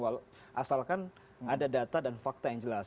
asalkan ada data dan fakta yang jelas